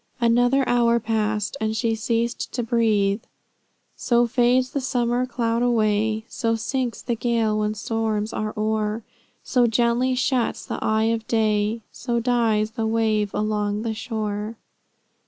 Another hour passed, and she ceased to breathe." "So fades the summer cloud away; So sinks the gale when storms are o'er; So gently shuts the eye of day; So dies the wave along the shore."